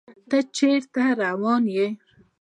ته چيرته روان يې